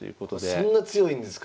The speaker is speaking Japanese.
そんな強いんですか？